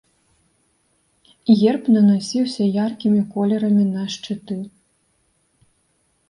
Герб нанасіўся яркімі колерамі на шчыты.